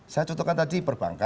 saya contohkan tadi perbankan ya kan